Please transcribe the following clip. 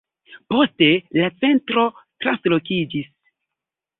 Poste la centro translokiĝis.